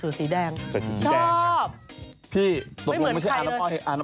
ใส่สูสีแดงครับไม่เหมือนใครเลยพี่ตกลงไม่ใช่อานับอ้อยอานับอ้อยไหมนี่